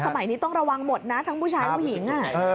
สมัยนี้ต้องระวังหมดนะทั้งผู้ชายผู้หญิง